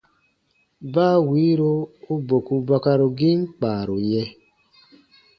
Baa wiiro u boku bakarugiin kpaaru yɛ̃.